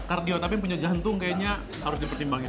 kardio tapi punya jantung kayaknya harus dipertimbangin